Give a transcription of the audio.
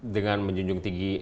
dengan menjunjung tinggi